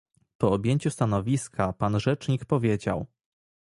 Po objęciu stanowiska pan rzecznik powiedział